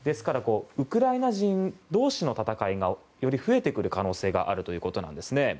ウクライナ人同士の戦いがより増えてくる可能性があるということなんですね。